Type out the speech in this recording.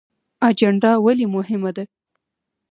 اجنډا ولې مهمه ده؟